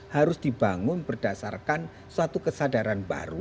harus dibangun berdasarkan suatu kesadaran baru